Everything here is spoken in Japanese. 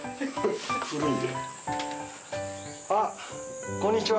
あこんにちは。